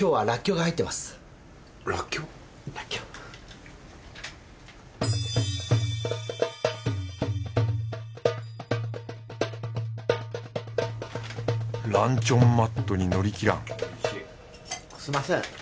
ランチョンマットにのりきらん